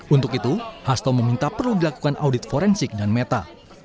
untuk itu hasto meminta perlu dilakukan audit forensik dan meta